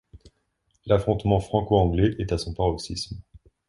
L’affrontement franco-anglais est à son paroxysme.